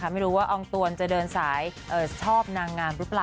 ไม่รู้ว่าอองตวนจะเดินสายชอบนางงามหรือเปล่า